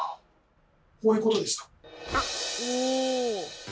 こういうことですか？